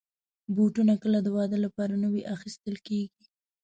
بوټونه کله د واده لپاره نوي اخیستل کېږي.